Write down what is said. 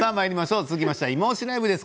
続きまして「いまオシ！ＬＩＶＥ」です。